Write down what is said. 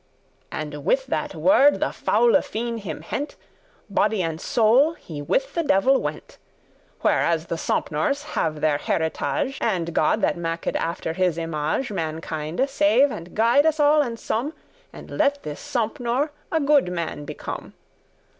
And with that word the foule fiend him hent.* *seized Body and soul, he with the devil went, Where as the Sompnours have their heritage; And God, that maked after his image Mankinde, save and guide us all and some, And let this Sompnour a good man become.